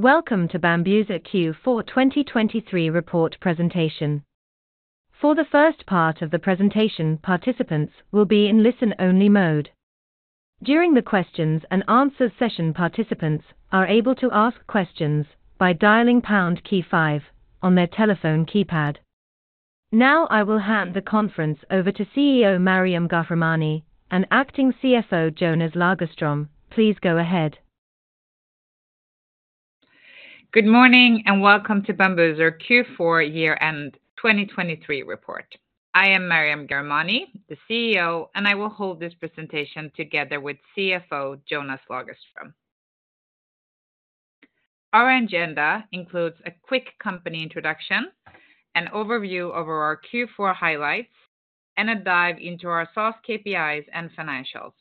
Welcome to Bambuser Q4 2023 report presentation. For the first part of the presentation, participants will be in listen-only mode. During the questions and answers session, participants are able to ask questions by dialing pound key five on their telephone keypad. Now, I will hand the conference over to CEO Maryam Ghahremani and acting CFO, Jonas Lagerström. Please go ahead. Good morning, and welcome to Bambuser Q4 year-end 2023 report. I am Maryam Ghahremani, the CEO, and I will hold this presentation together with CFO, Jonas Lagerström. Our agenda includes a quick company introduction, an overview over our Q4 highlights, and a dive into our SaaS KPIs and financials.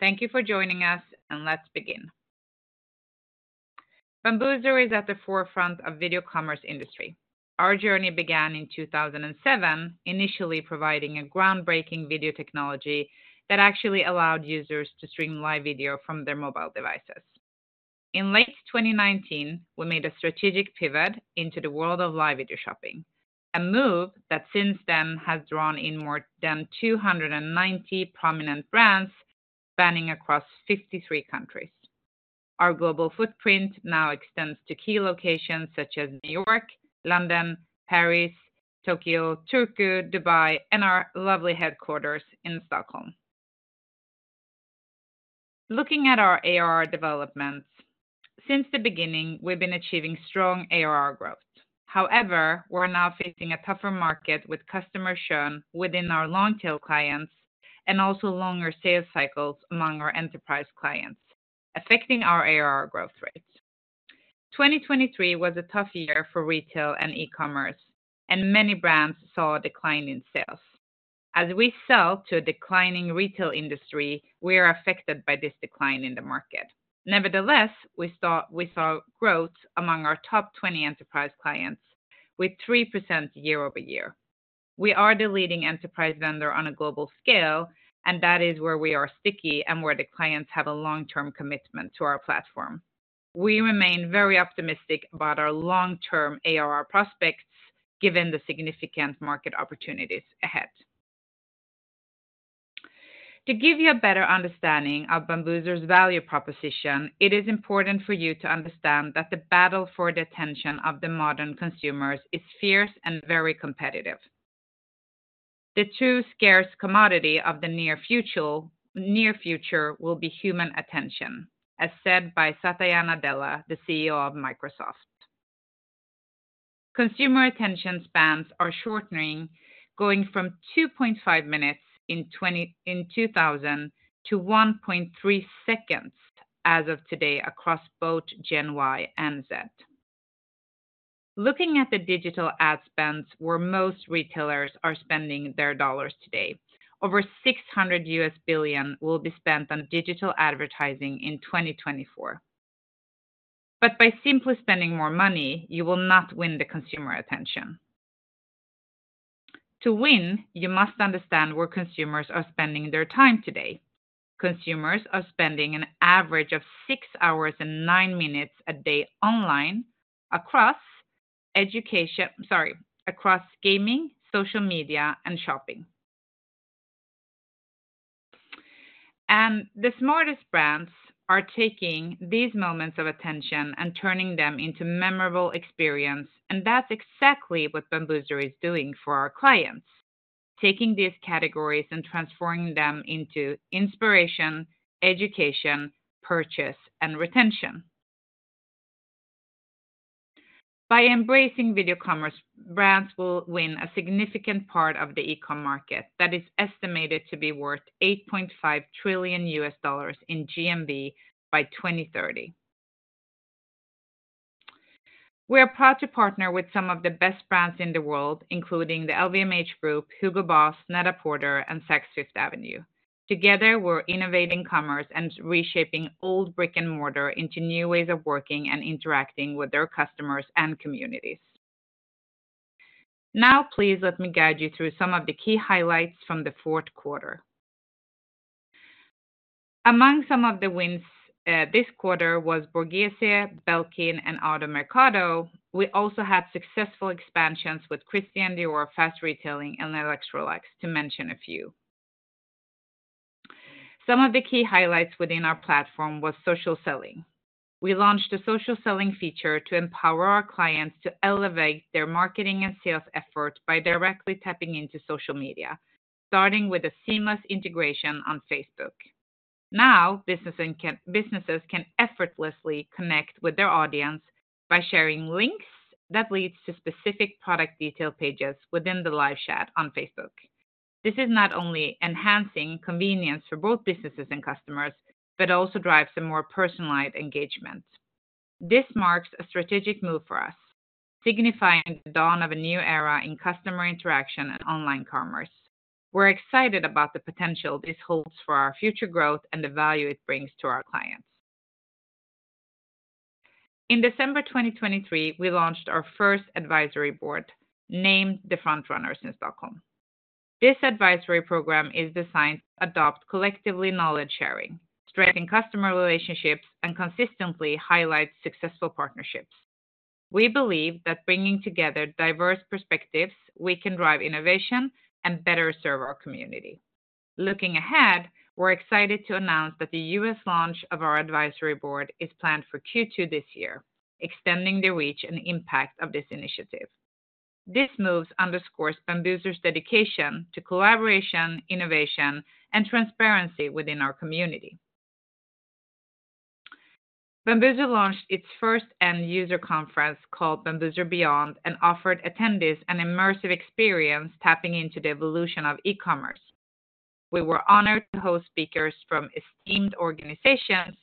Thank you for joining us, and let's begin. Bambuser is at the forefront of video commerce industry. Our journey began in 2007, initially providing a groundbreaking video technology that actually allowed users to stream live video from their mobile devices. In late 2019, we made a strategic pivot into the world of live video shopping, a move that since then has drawn in more than 290 prominent brands, spanning across 53 countries. Our global footprint now extends to key locations such as New York, London, Paris, Tokyo, Turku, Dubai, and our lovely headquarters in Stockholm. Looking at our ARR developments, since the beginning, we've been achieving strong ARR growth. However, we're now facing a tougher market with customer churn within our long-tail clients and also longer sales cycles among our enterprise clients, affecting our ARR growth rates. 2023 was a tough year for retail and e-commerce, and many brands saw a decline in sales. As we sell to a declining retail industry, we are affected by this decline in the market. Nevertheless, we saw, we saw growth among our top 20 enterprise clients with 3% year-over-year. We are the leading enterprise vendor on a global scale, and that is where we are sticky and where the clients have a long-term commitment to our platform. We remain very optimistic about our long-term ARR prospects, given the significant market opportunities ahead. To give you a better understanding of Bambuser's value proposition, it is important for you to understand that the battle for the attention of the modern consumers is fierce and very competitive. "The true scarce commodity of the near future will be human attention," as said by Satya Nadella, the CEO of Microsoft. Consumer attention spans are shortening, going from 2.5 minutes in 2000, to 1.3 seconds as of today across both Gen Y and Z. Looking at the digital ad spends, where most retailers are spending their dollars today, over $600 billion will be spent on digital advertising in 2024. But by simply spending more money, you will not win the consumer attention. To win, you must understand where consumers are spending their time today. Consumers are spending an average of 6 hours and 9 minutes a day online across education... Sorry, across gaming, social media, and shopping. The smartest brands are taking these moments of attention and turning them into memorable experience, and that's exactly what Bambuser is doing for our clients, taking these categories and transforming them into inspiration, education, purchase, and retention. By embracing video commerce, brands will win a significant part of the e-com market that is estimated to be worth $8.5 trillion in GMV by 2030. We are proud to partner with some of the best brands in the world, including the LVMH Group, Hugo Boss, NET-A-PORTER, and Saks Fifth Avenue. Together, we're innovating commerce and reshaping old brick-and-mortar into new ways of working and interacting with their customers and communities. Now, please let me guide you through some of the key highlights from the fourth quarter. Among some of the wins, this quarter was Borghese, Belkin, and Auto Mercado. We also had successful expansions with Christian Dior, Fast Retailing, and Luxottica, to mention a few. Some of the key highlights within our platform was social selling. We launched a social selling feature to empower our clients to elevate their marketing and sales efforts by directly tapping into social media, starting with a seamless integration on Facebook. Now, businesses can effortlessly connect with their audience by sharing links that leads to specific product detail pages within the live chat on Facebook. This is not only enhancing convenience for both businesses and customers, but also drives a more personalized engagement. This marks a strategic move for us, signifying the dawn of a new era in customer interaction and online commerce. We're excited about the potential this holds for our future growth and the value it brings to our clients. In December 2023, we launched our first advisory board, named the Frontrunners in Stockholm. This advisory program is designed to adopt collectively knowledge sharing, strengthening customer relationships, and consistently highlight successful partnerships. We believe that bringing together diverse perspectives, we can drive innovation and better serve our community. Looking ahead, we're excited to announce that the U.S. launch of our advisory board is planned for Q2 this year, extending the reach and impact of this initiative. This move underscores Bambuser's dedication to collaboration, innovation, and transparency within our community. Bambuser launched its first end user conference called Bambuser Beyond, and offered attendees an immersive experience tapping into the evolution of e-commerce. We were honored to host speakers from esteemed organizations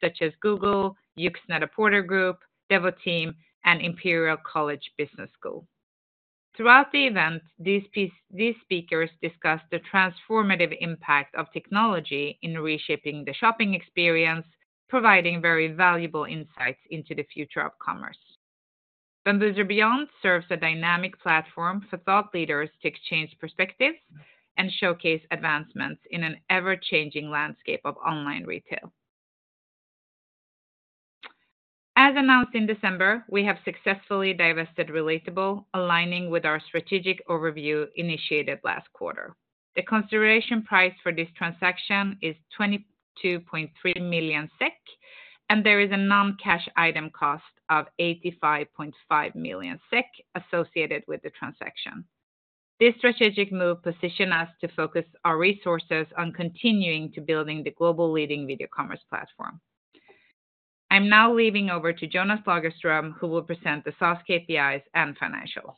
such as Google, YOOX NET-A-PORTER Group, Devoteam, and Imperial College Business School. Throughout the event, these speakers discussed the transformative impact of technology in reshaping the shopping experience, providing very valuable insights into the future of commerce. Bambuser Beyond serves a dynamic platform for thought leaders to exchange perspectives and showcase advancements in an ever-changing landscape of online retail. As announced in December, we have successfully divested Relatable, aligning with our strategic overview initiated last quarter. The consideration price for this transaction is 22.3 million SEK, and there is a non-cash item cost of 85.5 million SEK associated with the transaction. This strategic move positions us to focus our resources on continuing to build the global leading video commerce platform. I'm now handing over to Jonas Lagerström, who will present the SaaS KPIs and financials.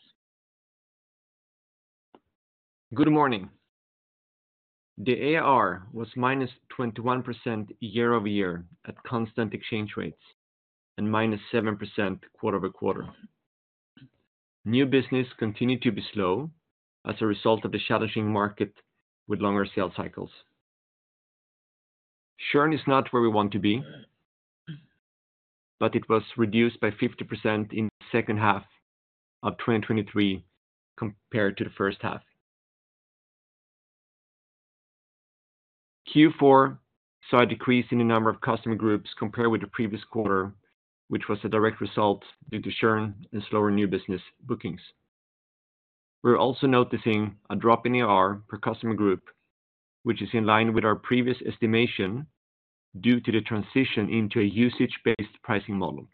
Good morning. The ARR was -21% year-over-year at constant exchange rates, and -7% quarter-over-quarter. New business continued to be slow as a result of the challenging market with longer sales cycles. Churn is not where we want to be, but it was reduced by 50% in the second half of 2023 compared to the first half. Q4 saw a decrease in the number of customer groups compared with the previous quarter, which was a direct result due to churn and slower new business bookings. We're also noticing a drop in ARR per customer group, which is in line with our previous estimation, due to the transition into a usage-based pricing model.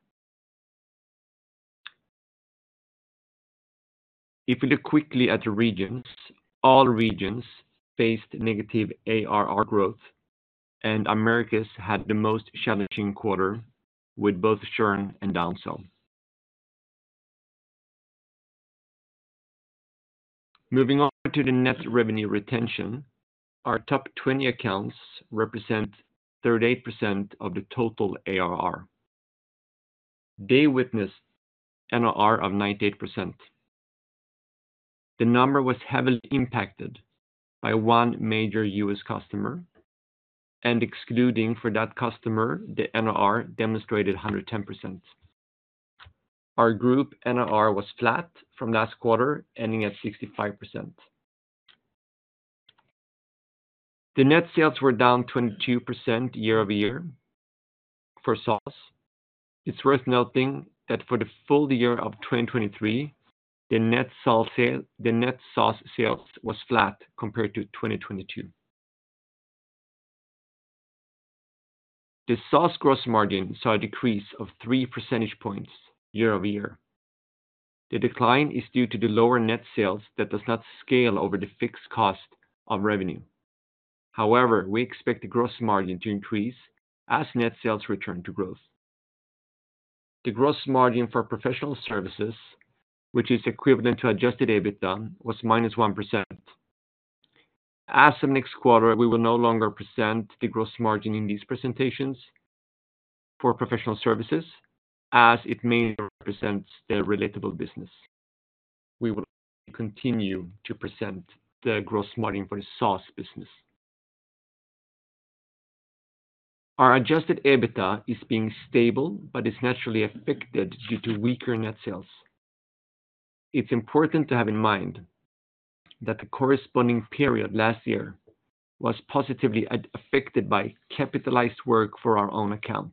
If we look quickly at the regions, all regions faced negative ARR growth, and Americas had the most challenging quarter with both churn and downsell. Moving on to the net revenue retention, our top 20 accounts represent 38% of the total ARR. They witnessed NRR of 98%. The number was heavily impacted by one major U.S. customer, and excluding for that customer, the NRR demonstrated 110%. Our group NRR was flat from last quarter, ending at 65%. The net sales were down 22% year over year for SaaS. It's worth noting that for the full year of 2023, the net SaaS sales was flat compared to 2022. The SaaS gross margin saw a decrease of 3 percentage points year over year. The decline is due to the lower net sales that does not scale over the fixed cost of revenue. However, we expect the gross margin to increase as net sales return to growth. The gross margin for professional services, which is equivalent to adjusted EBITDA, was -1%. As of next quarter, we will no longer present the gross margin in these presentations for professional services, as it mainly represents the Relatable business. We will continue to present the gross margin for the SaaS business. Our adjusted EBITDA is being stable, but is naturally affected due to weaker net sales. It's important to have in mind that the corresponding period last year was positively affected by capitalized work for our own account.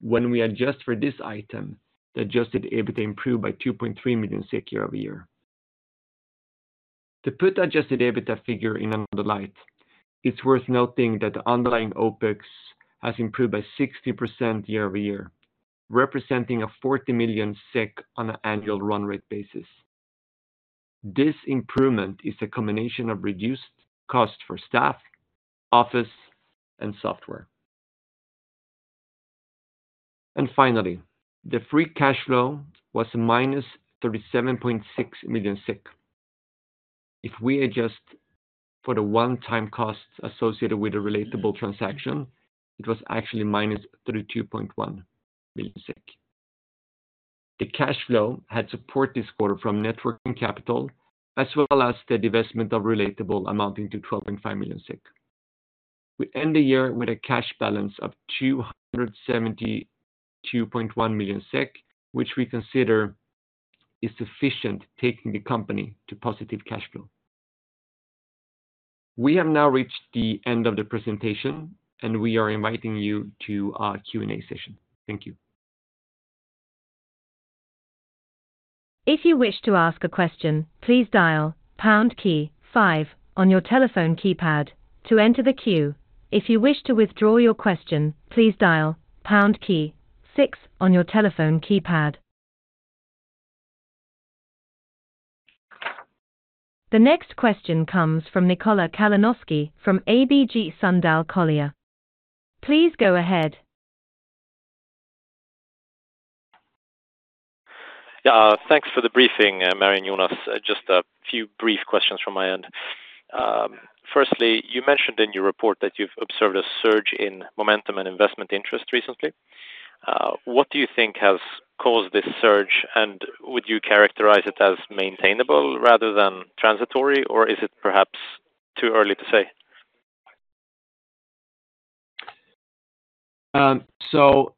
When we adjust for this item, the adjusted EBITDA improved by 2.3 million year-over-year. To put the adjusted EBITDA figure in another light, it's worth noting that the underlying OpEx has improved by 60% year-over-year, representing 40 million on an annual run rate basis. This improvement is a combination of reduced cost for staff, office, and software. Finally, the free cash flow was -37.6 million. If we adjust for the one-time costs associated with the Relatable transaction, it was actually -32.1 million SEK. The cash flow had support this quarter from net working capital, as well as the divestment of Relatable, amounting to 12.5 million SEK. We end the year with a cash balance of 272.1 million SEK, which we consider is sufficient, taking the company to positive cash flow. We have now reached the end of the presentation, and we are inviting you to our Q&A session. Thank you. If you wish to ask a question, please dial pound key five on your telephone keypad to enter the queue. If you wish to withdraw your question, please dial pound key six on your telephone keypad. The next question comes from Nikola Kalanoski from ABG Sundal Collier. Please go ahead. Yeah, thanks for the briefing, Maryam and Jonas. Just a few brief questions from my end. Firstly, you mentioned in your report that you've observed a surge in momentum and investment interest recently. What do you think has caused this surge? And would you characterize it as maintainable rather than transitory, or is it perhaps too early to say? So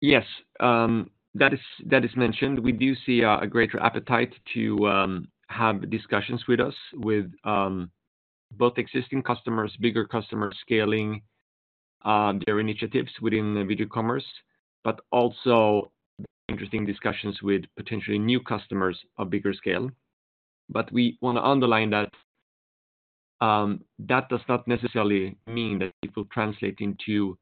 yes, that is mentioned. We do see a greater appetite to have discussions with us, with both existing customers, bigger customers, scaling their initiatives within the video commerce, but also interesting discussions with potentially new customers of bigger scale. But we want to underline that that does not necessarily mean that it will translate into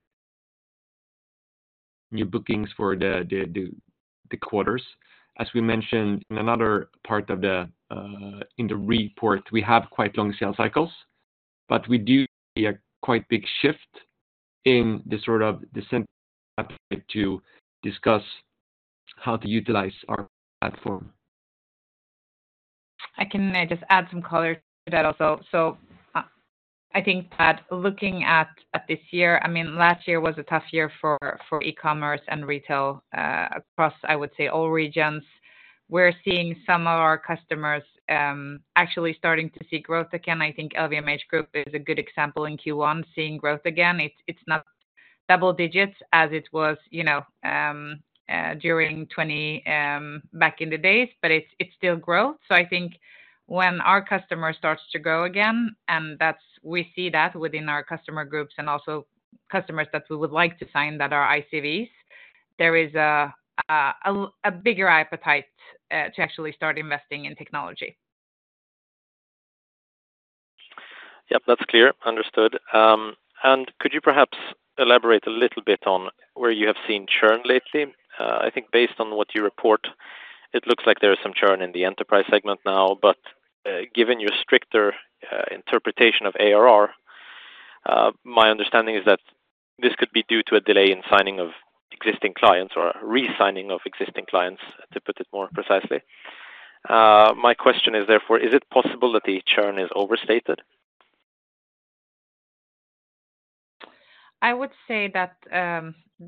new bookings for the quarters. As we mentioned in another part of the report, we have quite long sales cycles, but we do see a quite big shift in the sort of the appetite to discuss how to utilize our platform. I can just add some color to that also. So, I think that looking at this year, I mean, last year was a tough year for e-commerce and retail across, I would say, all regions. We're seeing some of our customers actually starting to see growth again. I think LVMH Group is a good example in Q1, seeing growth again. It's not double digits as it was, you know, during 2020 back in the days, but it's still growth. So I think when our customer starts to grow again, and that's, we see that within our customer groups and also customers that we would like to sign that are ICPs, there is a bigger appetite to actually start investing in technology. Yep, that's clear. Understood. And could you perhaps elaborate a little bit on where you have seen churn lately? I think based on what you report, it looks like there is some churn in the enterprise segment now, but, given your stricter interpretation of ARR, my understanding is that this could be due to a delay in signing of existing clients or re-signing of existing clients, to put it more precisely. My question is, therefore, is it possible that the churn is overstated? I would say that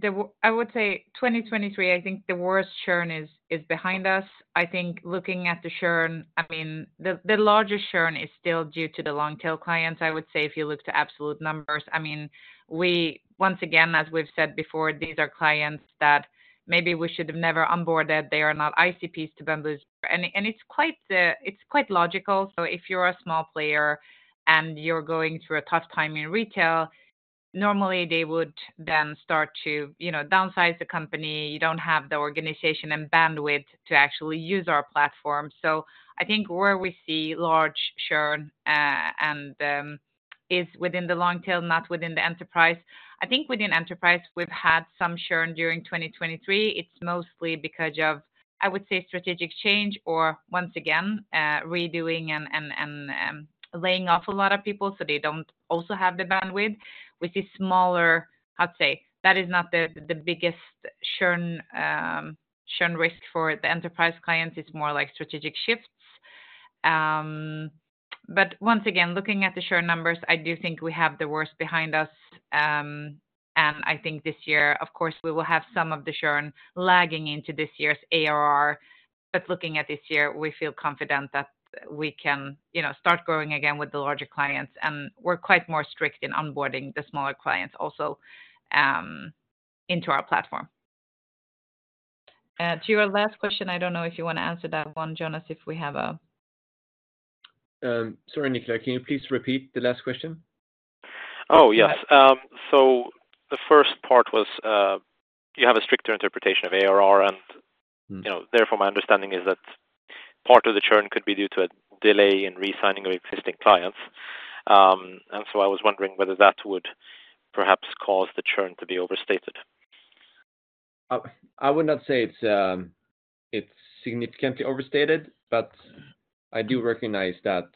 2023, I think the worst churn is behind us. I think looking at the churn, I mean, the largest churn is still due to the long-tail clients. I would say if you look to absolute numbers, I mean, we once again, as we've said before, these are clients that maybe we should have never onboarded. They are not ICPs to Bambuser. And it's quite logical. So if you're a small player and you're going through a tough time in retail, normally they would then start to, you know, downsize the company. You don't have the organization and bandwidth to actually use our platform. So I think where we see large churn is within the long tail, not within the enterprise. I think within enterprise, we've had some churn during 2023. It's mostly because of, I would say, strategic change or once again, redoing and laying off a lot of people, so they don't also have the bandwidth. We see smaller, I'd say, that is not the biggest churn risk for the enterprise clients. It's more like strategic shifts. But once again, looking at the churn numbers, I do think we have the worst behind us. And I think this year, of course, we will have some of the churn lagging into this year's ARR, but looking at this year, we feel confident that we can, you know, start growing again with the larger clients, and we're quite more strict in onboarding the smaller clients also into our platform. To your last question, I don't know if you want to answer that one, Jonas, if we have a... Sorry, Nicola, can you please repeat the last question? Oh, yes. So the first part was, you have a stricter interpretation of ARR, and- Mm-hmm. You know, therefore, my understanding is that part of the churn could be due to a delay in re-signing of existing clients. And so I was wondering whether that would perhaps cause the churn to be overstated. I would not say it's significantly overstated, but I do recognize that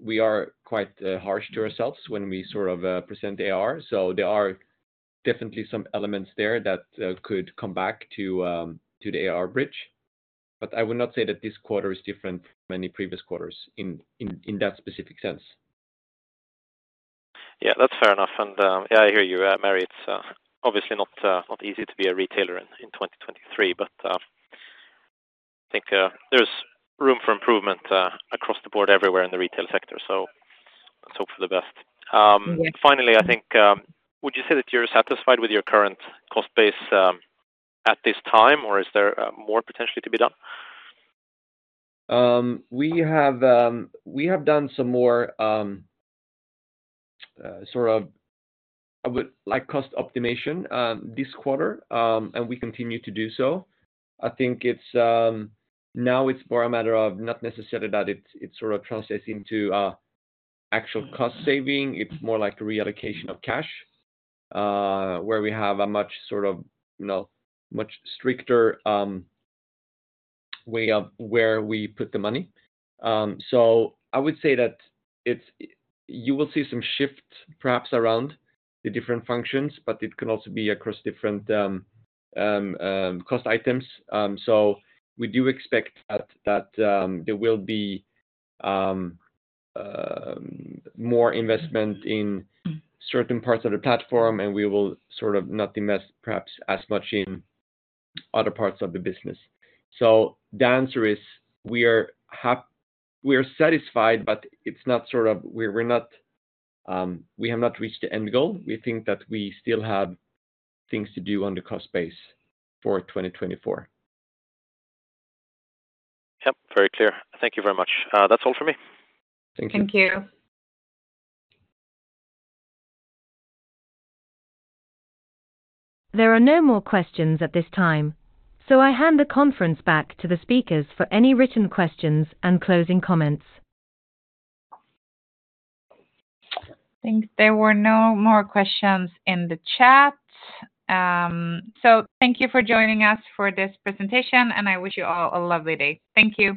we are quite harsh to ourselves when we sort of present AR. So there are definitely some elements there that could come back to the AR bridge. But I would not say that this quarter is different from any previous quarters in that specific sense. Yeah, that's fair enough. And, yeah, I hear you, Maryam, it's obviously not easy to be a retailer in 2023, but I think there's room for improvement across the board everywhere in the retail sector, so let's hope for the best. Finally, I think, would you say that you're satisfied with your current cost base at this time, or is there more potentially to be done? We have done some more sort of cost optimization this quarter, and we continue to do so. I think it's now more a matter of not necessarily that it sort of translates into actual cost saving. It's more like a reallocation of cash, where we have a much sort of, you know, much stricter way of where we put the money. So I would say that it's you will see some shifts perhaps around the different functions, but it can also be across different cost items. So we do expect that there will be more investment in certain parts of the platform, and we will sort of not invest perhaps as much in other parts of the business. So the answer is, we are satisfied, but it's not sort of... We're not, we have not reached the end goal. We think that we still have things to do on the cost base for 2024. Yep, very clear. Thank you very much. That's all for me. Thank you. Thank you. There are no more questions at this time, so I hand the conference back to the speakers for any written questions and closing comments. I think there were no more questions in the chat. So thank you for joining us for this presentation, and I wish you all a lovely day. Thank you!